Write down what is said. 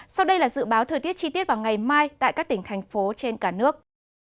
sau đây là dự báo thời tiết chi tiết vào ngày mai tại các tỉnh thành phố trên cả nước